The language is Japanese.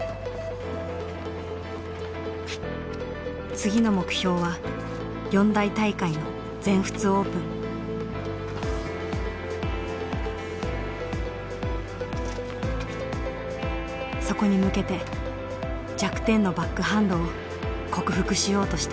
次の目標はそこに向けて弱点のバックハンドを克服しようとしていた。